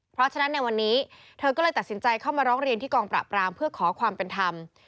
เพราะฉะนั้นในวันนี้เธอก็เลยตัดสินใจเข้ามาร้องเรียนที่กองปราบรามเพื่อขอความเป็นธรรม